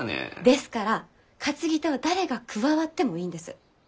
ですから担ぎ手は誰が加わってもいいんです。